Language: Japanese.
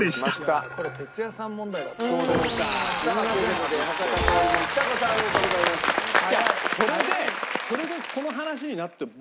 いやそれでそれでこの話になって。